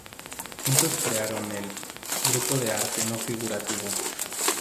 Juntos crearon el "Grupo de Arte No Figurativo".